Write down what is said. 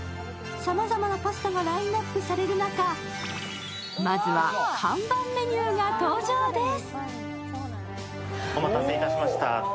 さまざまなパスタがラインナップされる中、まずは看板メニューが登場です。